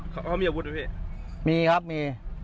เขามีอาวุธไหมพี่มีครับมี